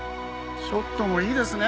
ショットもいいですね